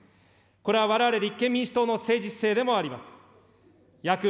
これはわれわれ立憲民主党の政治姿勢でもあります。